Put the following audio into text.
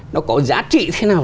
nó có giá trị thế nào